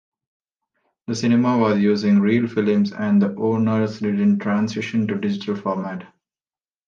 The cinema was using reel film and the owners didn't transition to digital format.